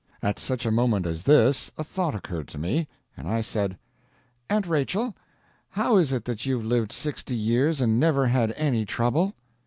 At such a moment as this a thought occurred to me, and I said: "Aunt Rachel, how is it that you've lived sixty years and never had any trouble?"